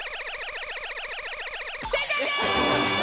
正解です！